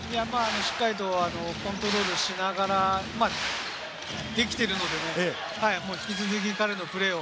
しっかりとコントロールしながらできているので、引き続き彼のプレーを。